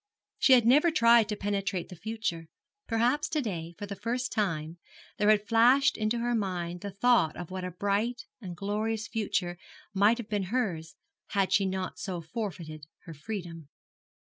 She had never tried to penetrate the future. Perhaps to day for the first time there had flashed into her mind the thought of what a bright and glorious future might have been hers had she not so forfeited her freedom.